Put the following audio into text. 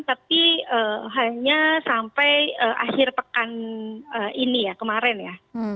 tapi hanya sampai akhir pekan ini ya kemarin ya